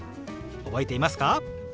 覚えていますか？